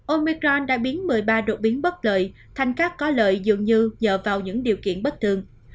omicron đã biến một mươi ba đột biến bất lợi thành các có lợi dường như nhờ vào những điều kiện bất thường